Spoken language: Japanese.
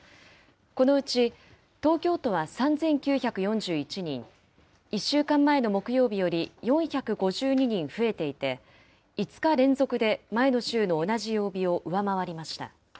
このうち東京都は３９４１人、１週間前の木曜日より４５２人増えていて、５日連続で前の週の同じ曜日を上回りました。